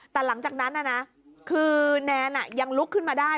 แต่หลังจากนั้นคือแนนยังลุกขึ้นมาได้